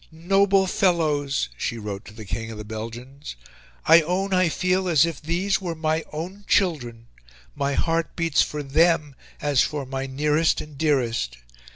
"Noble fellows!" she wrote to the King of the Belgians, "I own I feel as if these were MY OWN CHILDREN; my heart beats for THEM as for my NEAREST and DEAREST.